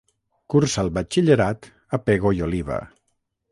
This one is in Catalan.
Cursa el batxillerat a Pego i Oliva.